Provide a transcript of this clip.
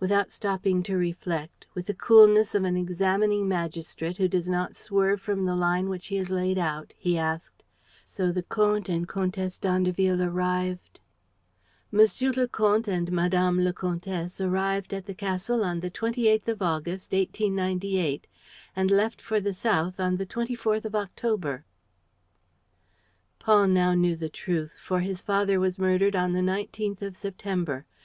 Without stopping to reflect, with the coolness of an examining magistrate who does not swerve from the line which he has laid out, he asked: "So the Comte and Comtesse d'Andeville arrived ..." "Monsieur le Comte and Madame le Comtesse arrived at the castle on the 28th of August, 1898, and left for the south on the 24th of October." Paul now knew the truth, for his father was murdered on the 19th of September.